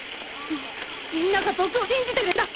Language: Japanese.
みみんなが僕を信じてくれたんだ。